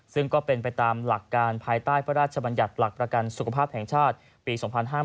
ซึ่งก็เป็นไปตามหลักการภายใต้พระราชบัญญัติหลักประกันสุขภาพแห่งชาติปี๒๕๕๙